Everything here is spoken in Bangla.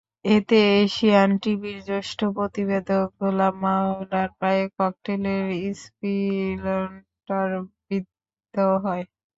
এতে এশিয়ান টিভির জ্যেষ্ঠ প্রতিবেদক গোলাম মাওলার পায়ে ককটেলের স্প্লিনটার বিদ্ধ হয়।